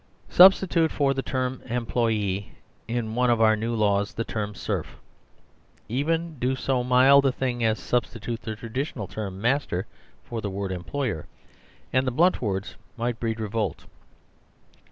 Substitute for the term " employee " in one of our new laws the term " serf," even do so mild a thing as 143 THE SERVILE STATE to substitute the traditional term " master " for the word " employer," and the blunt words might breed revolt.